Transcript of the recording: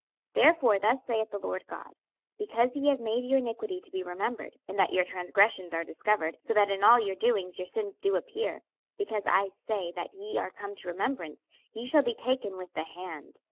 26:021:024 Therefore thus saith the Lord GOD; Because ye have made your iniquity to be remembered, in that your transgressions are discovered, so that in all your doings your sins do appear; because, I say, that ye are come to remembrance, ye shall be taken with the hand.